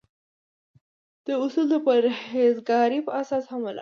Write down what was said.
دا اصول د پرهیزګارۍ په اساس هم ولاړ دي.